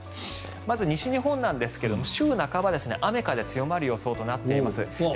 まず西日本ですが週半ば、雨、風強まる予想となっています。